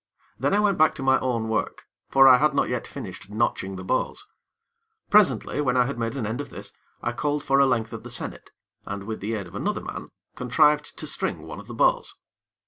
Then I went back to my own work; for I had not yet finished notching the bows. Presently, when I had made an end of this, I called for a length of the sennit, and, with the aid of another man, contrived to string one of the bows.